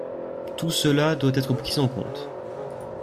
Tout cela doit être pris en compte.